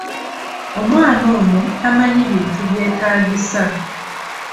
Omwana ono tamanyi bintu byetaagisa.